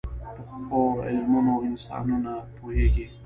پخو علمونو انسانونه پوهيږي